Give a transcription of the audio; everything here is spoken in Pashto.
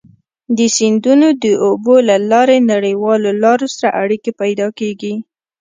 د سیندونو د اوبو له لارې نړیوالو لارو سره اړيکي پيدا کیږي.